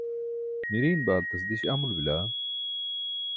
miriiṅ baaltase diś amulo bila?